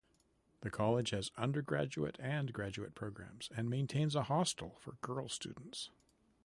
The college has undergraduate and graduate programs, and maintains a hostel for girl students.